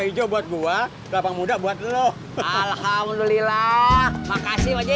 hijau buat gua kelapa muda buat lo alhamdulillah makasih pak haji